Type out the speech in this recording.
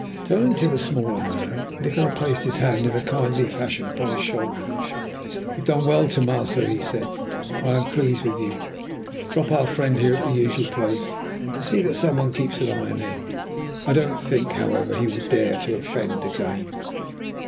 Turning to the smaller man, Nikola placed his hand in a kindly fashion upon his shoulder. "You have done well, Tomasso," he said, "and I am pleased with you. Drop our friend here at the usual place, and see that some one keeps an eye on him. I don't think, however, he will dare to offend again."